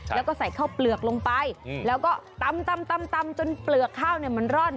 แล้วก็ใส่ข้าวเปลือกลงไปแล้วก็ตำจนเปลือกข้าวมันร่อน